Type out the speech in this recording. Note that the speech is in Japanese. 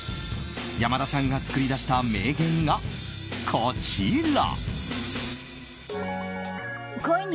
山田さんが作り出した名言がこちら。